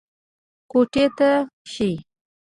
کوټې ته شئ.